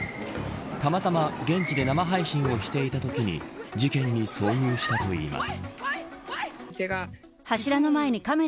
たまたま現地で生配信をしていたときに事件に遭遇したといいます。